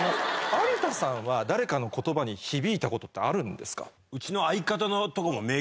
有田さんは誰かの言葉に響いたことってあるんですか？